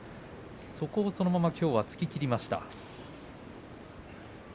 そこをきょうは突ききりました。